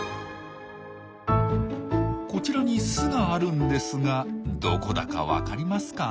こちらに巣があるんですがどこだか分かりますか？